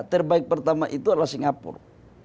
terbaik pertama itu adalah singapura